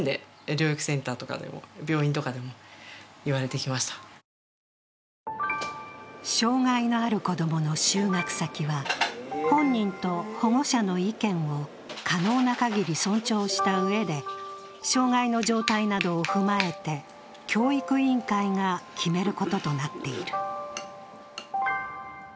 そう希望したのだが、学校や行政からは障害のある子供の就学先は、本人と保護者の意見を可能な限り尊重したうえで障害の状態などを踏まえて教育委員会が決めることとなっている。